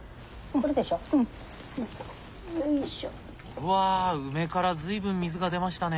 うわ梅から随分水が出ましたね。